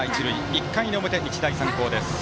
１回の表、日大三高です。